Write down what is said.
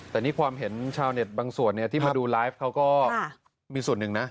แต่นี่ความเห็นชาวเน็ตบางส่วนที่มาดูไลฟ์เขาก็มีส่วนหนึ่งนะ